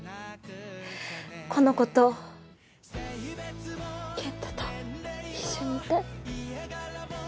この子と健太と一緒にいたい。